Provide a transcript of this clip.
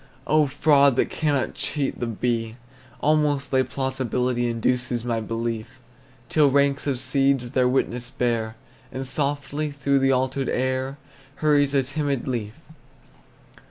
Oh, fraud that cannot cheat the bee, Almost thy plausibility Induces my belief, Till ranks of seeds their witness bear, And softly through the altered air Hurries a timid leaf!